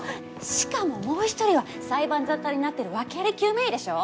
「しかももう一人は裁判沙汰になってる訳あり救命医でしょ」